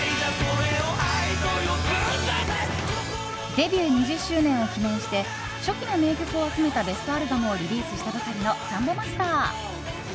デビュー２０周年を記念して初期の名曲を集めたベストアルバムをリリースしたばかりのサンボマスター。